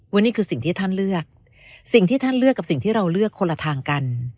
วันนี้คือสิ่งที่ท่านเลือกสิ่งที่ท่านเลือกกับสิ่งที่เราเลือกคนละทางกัน